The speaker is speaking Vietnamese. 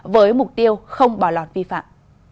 với mục tiêu không bỏ lọt vi phạm